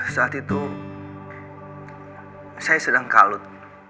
saat itu saya sedang kalut